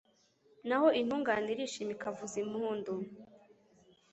naho intungane irishima ikavuza impundu